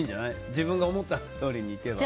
自分が思ったとおりにいけば。